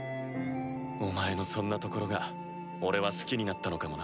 お前のそんなところが俺は好きになったのかもな。